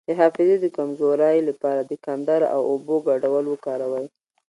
د حافظې د کمزوری لپاره د کندر او اوبو ګډول وکاروئ